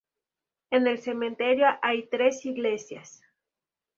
En el cementerio hay tres iglesias.